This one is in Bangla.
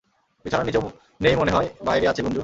বিছানার নিচেও নেই মনে হয় বাইরে আছে, গুঞ্জু।